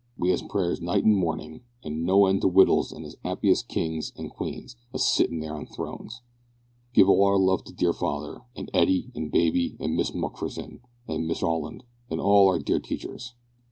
we as prairs nite and mornin an no end o witls an as appy as kings and kueens a sitin on there throns. give all our luv to deer father, an etty an baiby an mis mukferson an mister olland an all our deer teechers.